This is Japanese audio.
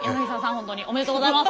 おめでとうございます。